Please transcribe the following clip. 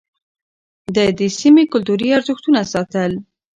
ده د سيمې کلتوري ارزښتونه ساتل.